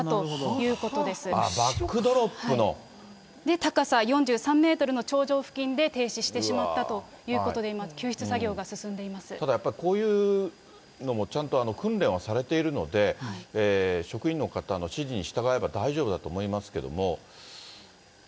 高さ４３メートルの頂上付近で停止してしまったということで、ただやっぱり、こういうのもちゃんと訓練はされているので、職員の方の指示に従えば大丈夫だと思いますけども。